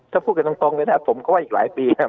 ถ้าพูดกันตรงเลยนะผมก็ว่าอีกหลายปีนะครับ